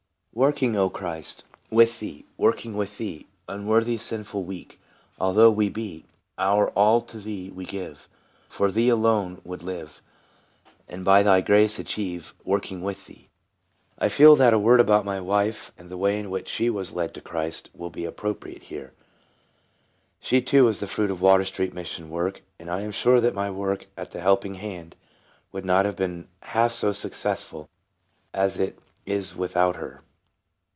" Working, O Christ, with thee, Working with thee, Unworthy, sinful, weak, Although we be ; Our all to thee we give, For thee alone would live, And by thy grace achieve, Working with thee." I FEEL that a word about my wife, and the way in which she was led to Christ, will be appropriate here. She too was the fruit of Water street mission work, and I am sure that my work at the Helping Hand would not be half so successful as it is without her.